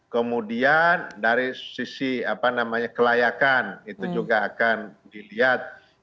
kemudian dari sisi kelayakan itu juga akan dilihat